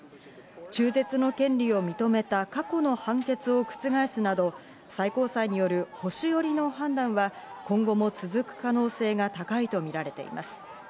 中絶の権利を認めた過去の判決を覆すなど、最高裁による保守よりの判断は、今後も続く可能性が高いとみられています。